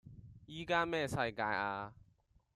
依家咩世界呀?